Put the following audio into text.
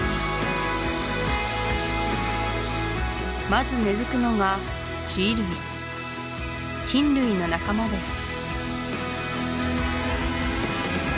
まず根づくのが地衣類菌類の仲間です